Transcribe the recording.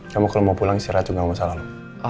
kamu kalau mau pulang istirahat juga gak masalah lho